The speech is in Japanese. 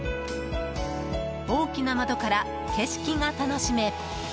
大きな窓から景色が楽しめ。